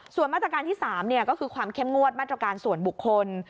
ส่วนมาตรการที่๓ก็คือความเข้มงวดมาตรการส่วนบุคคล